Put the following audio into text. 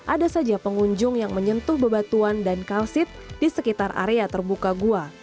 ada saja pengunjung yang menyentuh bebatuan dan kalsit di sekitar area terbuka gua